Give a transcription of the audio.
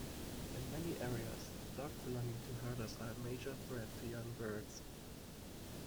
In many areas, dogs belonging to herders are a major threat to young birds.